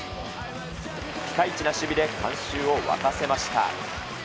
ピカイチな守備で観衆を沸かせました。